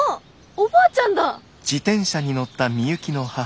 おばあちゃん！